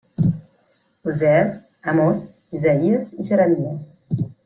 Osees, Amós, Isaïes i Jeremies.